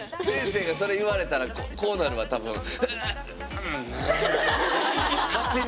先生がそれ言われたらこうなるわ多分。